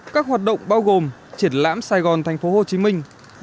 các hoạt động bao gồm triển lãm sài gòn thành phố hồ chí minh